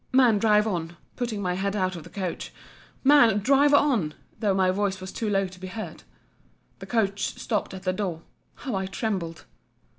—Man, drive on, putting my head out of the coach—Man, drive on!—though my voice was too low to be heard. The coach stopt at the door. How I trembled!